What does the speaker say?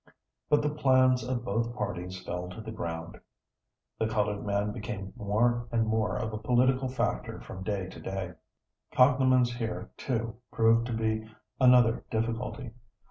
But the plans of both parties fell to the ground. The colored man became more and more of a political factor from day to day. Cognomens here too proved to be another difficulty.